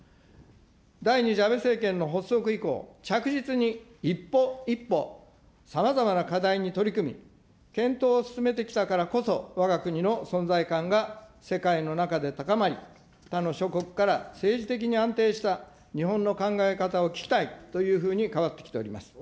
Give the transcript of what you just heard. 第２次安倍政権の発足以降、着実に一歩一歩さまざまな課題に取り組み、検討を進めてきたからこそ、わが国の存在感が世界の中で高まり、他の諸国から政治的に安定した日本の考え方を聞きたいというふうに変わってきております。